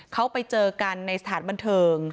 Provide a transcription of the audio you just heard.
เขาไปเจอกันในสถานบันเทิง